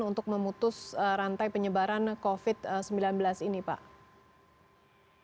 untuk memutus rantai penyebaran covid sembilan belas ini pak